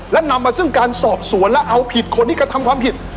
และนำมาซึ่งการสอบสวนและเอาผิดคนที่กระทำความผิด